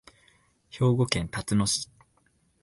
兵庫県たつの市